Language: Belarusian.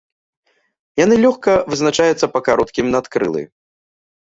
Яны лёгка вызначаюцца па кароткім надкрылы.